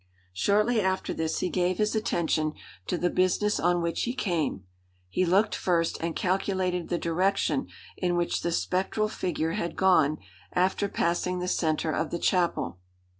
Shortly after this he gave his attention to the business on which he came. He looked first and calculated the direction in which the spectral figure had gone after passing the center of the chapel.